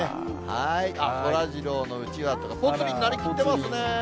そらジローのうちわとか、ぽつリンになりきってますね。